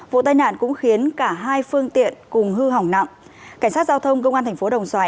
vụ tai nạn cũng khiến cả hai phương tiện cùng hư hỏng nặng cảnh sát giao thông công an thành phố đồng xoài